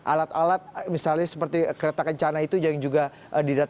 alat alat misalnya seperti kereta kencana itu yang juga didapatkan